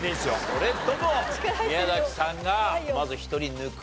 それとも宮崎さんがまず１人抜くんでしょうか？